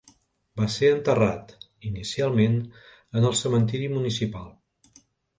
Va ser enterrat, inicialment, en el cementiri municipal.